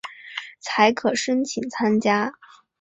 才可申请参加